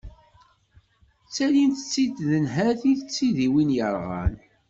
Ttalint-tt-id nnhati n tidiwin yerɣan.